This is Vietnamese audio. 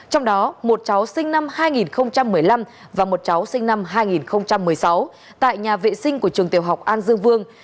trong đó một cháu sinh năm hai nghìn một mươi năm và một cháu sinh năm hai nghìn một mươi sáu tại nhà vệ sinh của trường tiểu học an dương vương